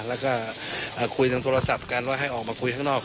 แล้วก็คุยทางโทรศัพท์กันว่าให้ออกมาคุยข้างนอก